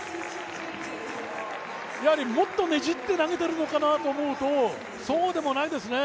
やはりもっとねじって投げてるのかなと思うとそうでもないですね。